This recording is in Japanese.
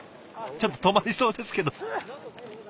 ちょっと止まりそうですけど。